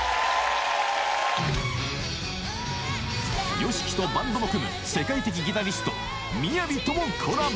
ＹＯＳＨＩＫＩ とバンドも組む世界的ギタリスト ＭＩＹＡＶＩ ともコラボ